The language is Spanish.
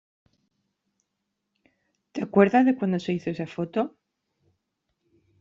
¿ te acuerdas de cuando se hizo esa foto ?